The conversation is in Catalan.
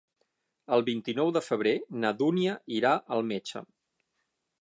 El vint-i-nou de febrer na Dúnia irà al metge.